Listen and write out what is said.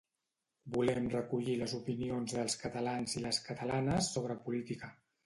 Volem recollir les opinions dels catalans i les catalanes sobre política